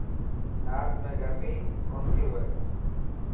نارٿ ۾ گرمي ڪونٿي هئي.